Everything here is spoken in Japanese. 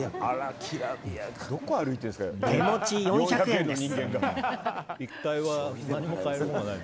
手持ち４００円です。